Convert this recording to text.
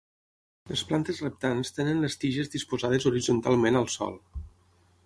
Les plantes reptants tenen les tiges disposades horitzontalment al sòl.